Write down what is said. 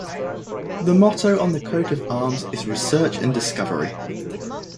The motto on the coat of arms is "Research and Discovery".